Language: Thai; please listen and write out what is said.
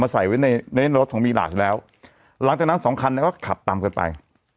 ใส่ไว้ในในรถของมีหลักอยู่แล้วหลังจากนั้นสองคันเนี่ยก็ขับตามกันไป